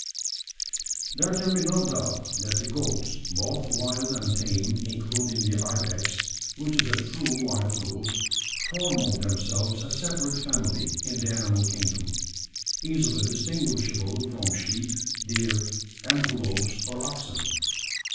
"There can be no doubt that the goats, both wild and tame including the ibex, which is a true wild goat form of themselves a separate family in the animal kingdom, easily distinguishable from sheep, deer, antelopes, or oxen.